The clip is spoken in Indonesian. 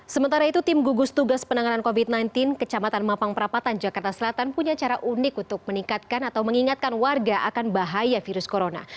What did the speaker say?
sementara itu tim gugus tugas penanganan covid sembilan belas kecamatan mampang perapatan jakarta selatan punya cara unik untuk meningkatkan atau mengingatkan warga akan bahaya virus corona